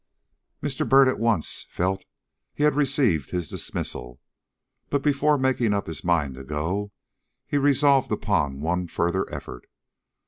Mr. Byrd at once felt he had received his dismissal. But before making up his mind to go, he resolved upon one further effort.